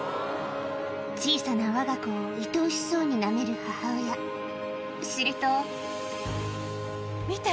小さなわが子をいとおしそうになめる母親すると見て！